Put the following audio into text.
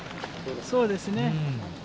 そうですね。